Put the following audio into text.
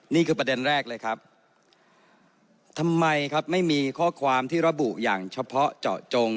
นี่คือประเด็นแรกเลยครับทำไมครับไม่มีข้อความที่ระบุอย่างเฉพาะเจาะจง